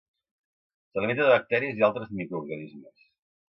S'alimenta de bacteris i altres microorganismes.